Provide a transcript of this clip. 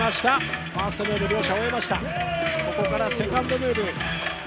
ここからセカンドムーブ。